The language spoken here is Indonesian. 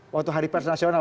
waktu hari pers nasional